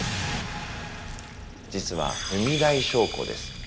◆実は踏み台昇降です。